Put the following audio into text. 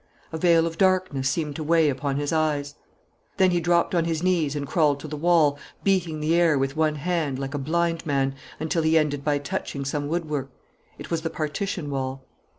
A veil of darkness seemed to weigh upon his eyes. Then he dropped on his knees and crawled to the wall, beating the air with one hand, like a blind man, until he ended by touching some woodwork. It was the partition wall.